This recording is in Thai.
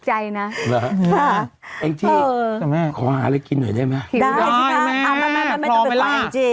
ไอ้จี้ขอหาอะไรกินหน่อยได้ไหมครับได้ครับได้แม่พร้อมไหมล่ะ